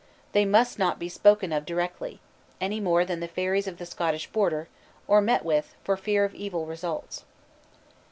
They must not be spoken of directly, any more than the fairies of the Scottish border, or met with, for fear of evil results.